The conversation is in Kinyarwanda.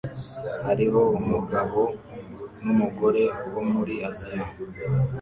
Hariho umugabo numugore wo muri Aziya